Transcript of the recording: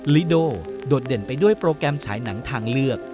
ลิโดโดดเด่นไปด้วยโปรแกรมฉายหนังทางเลือก